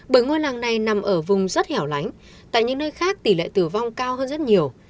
bởi ngôi làng này nằm ở vùng rất hẻo lánh tại những nơi khác tỷ lệ tử vong cao hơn rất nhiều